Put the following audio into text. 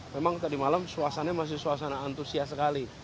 memang tadi malam suasananya masih suasana antusias sekali